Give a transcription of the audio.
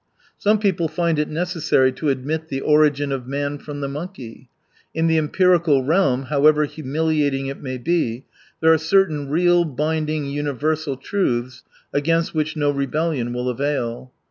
Some people find it necessa(ry to admit the origin of man from the monkey. In the empirical realm, however humiliating it may be, there are certain real, binding, universal truths against which no rebellion will avail.